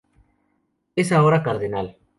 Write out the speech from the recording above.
Es ahora cardenal.